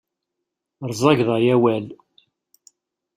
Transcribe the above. Ṛzageḍ ay awal.